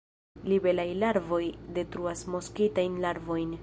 Libelaj larvoj detruas moskitajn larvojn.